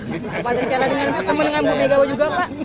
pak ada celan dengan bertemu dengan bu megawai juga pak